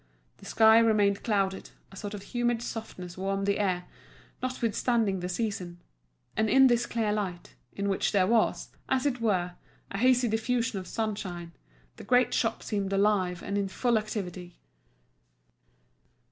The sky remained clouded, a sort of humid softness warmed the air, notwithstanding the season; and in this clear light, in which there was, as it were, a hazy diffusion of sunshine, the great shop seemed alive and in full activity.